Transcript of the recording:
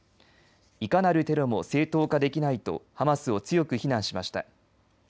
いかなるテロも正当化できないとハマスを強く非難しました。